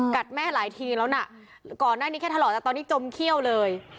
แม่หลายทีแล้วนะก่อนหน้านี้แค่ทะเลาะแต่ตอนนี้จมเขี้ยวเลย